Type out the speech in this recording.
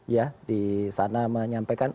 ya disana menyampaikan